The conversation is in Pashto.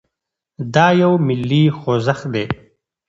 دا يو ملي خوځښت دی.